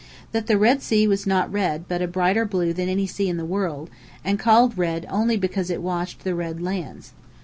That the Red Sea was not red but a brighter blue than any sea in the world, and called red only because it washed the Red Lands.